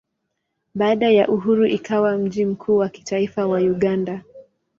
Baada ya uhuru ikawa mji mkuu wa kitaifa wa Uganda.